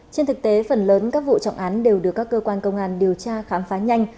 trên thực tế phần lớn các vụ trọng án đều được các cơ quan công an điều tra khám phá nhanh